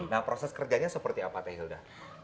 nah proses kerjanya seperti apa teh hilda